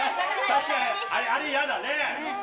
確かに、あれやだね。